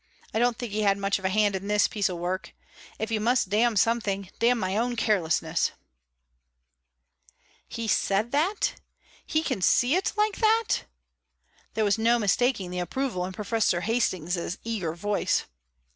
I don't think he had much of a hand in this piece of work. If you must damn something, damn my own carelessness.'" "He said that? He can see it like that?" there was no mistaking the approval in Professor Hastings' eager voice.